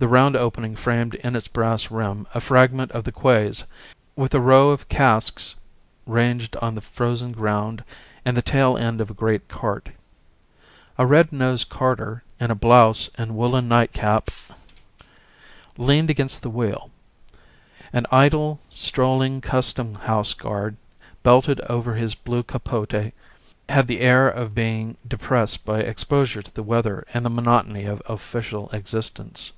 The round opening framed in its brass rim a fragment of the quays, with a row of casks ranged on the frozen ground and the tailend of a great cart. A red nosed carter in a blouse and a woollen nightcap leaned against the wheel. An idle, strolling custom house guard, belted over his blue capote, had the air of being depressed by exposure to the weather and the monotony of official existence.